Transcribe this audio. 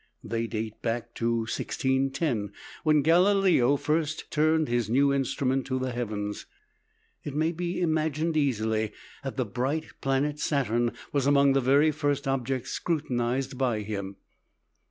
They date back to 1610, when Galileo first turned his new instrument to the heavens (p. 49). It may be imagined easily that the bright planet Saturn was among the very first objects scrutinized by him.